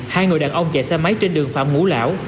hai người đàn ông chạy xe máy trên đường phạm ngũ lão